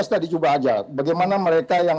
tadi coba aja bagaimana mereka yang